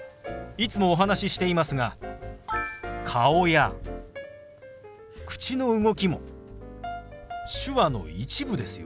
いつもお話ししていますが顔や口の動きも手話の一部ですよ。